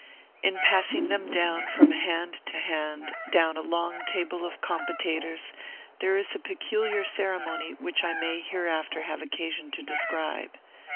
In passing them from hand to hand adown a long table of compotators, there is a peculiar ceremony which I may hereafter have occasion to describe.